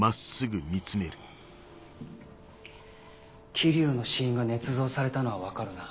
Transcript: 桐生の死因がねつ造されたのは分かるな？